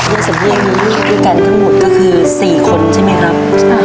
ด้วยสำเรียกด้วยกันทั้งหมดก็คือ๔คนใช่ไหมครับ